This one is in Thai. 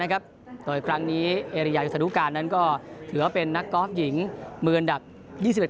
ก็เป็นแบบดักอันทรายูงาวฝี